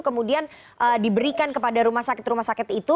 kemudian diberikan kepada rumah sakit rumah sakit itu